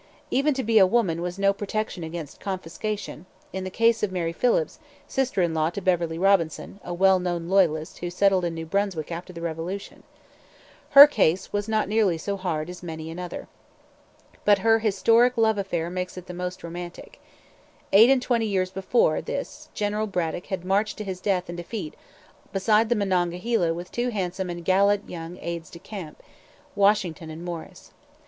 Even to be a woman was no protection against confiscation in the case of Mary Phillips, sister in law to Beverley Robinson, a well known Loyalist who settled in New Brunswick after the Revolution. Her case was not nearly so hard as many another. But her historic love affair makes it the most romantic. Eight and twenty years before this General Braddock had marched to death and defeat beside the Monongahela with two handsome and gallant young aides de camp, Washington and Morris.